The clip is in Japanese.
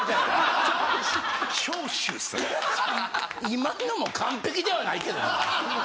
今のも完璧ではないけどな。